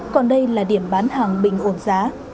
còn đây là điểm bán hàng bình ổn giá